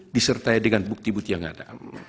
disertai dengan bukti bukti yang ada